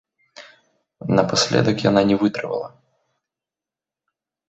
Напаследак яна не вытрывала.